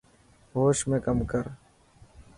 هوش ۾ ڪم ڪر.